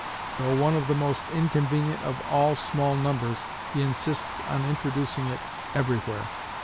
Though one of the most inconvenient of all small numbers, he insists on introducing it everywhere.